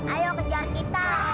ayo kejar kita